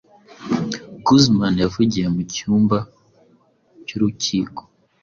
Guzman yavugiye mu cyumba cy'urukiko